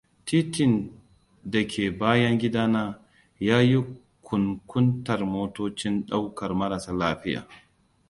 Titin da ke bayan gidana ya yi kunkuntar motocin daukar marasa lafiya.